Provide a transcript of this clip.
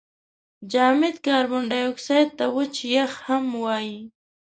جامد کاربن دای اکساید ته وچ یخ هم وايي.